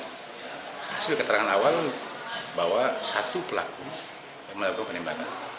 hasil keterangan awal bahwa satu pelaku melakukan penembakan